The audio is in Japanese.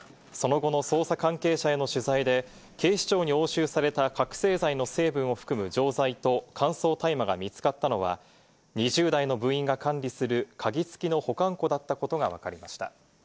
その後の捜査関係者への取材で警視庁に押収された覚醒剤の成分を含む錠剤と乾燥大麻が見つかったのは、２０代の部員が管理する鍵付きの保管庫だったことがわかりました。